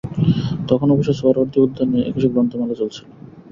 তখন অবশ্য সোহরাওয়ার্দী উদ্যানে একুশে গ্রন্থমেলা চলছিল।